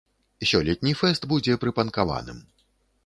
Сёлетні фэст будзе прыпанкаваным.